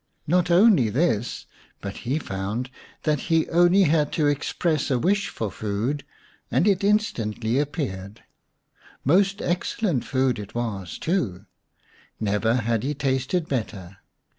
Not only this, but he found that he only had to express a wish for food and it instantly appeared. Most excellent food it was, too ; never had he tasted better.